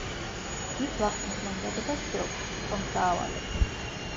ის ვახშმის მომზადებას შვილს, ტომს, დაავალებს.